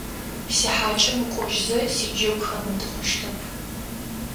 Сихьакӏэ мыкӏожьзэ сиджэгу хэмыты хъущтэп.